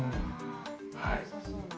はい。